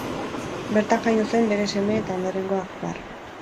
Bertan jaio zen bere seme eta ondorengo Akbar.